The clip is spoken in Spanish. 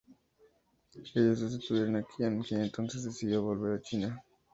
Ellos detuvieron a Qian, quien entonces decidido de volver a China.